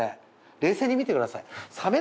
冷静に見てください。